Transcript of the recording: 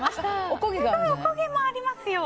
おこげもありますよ。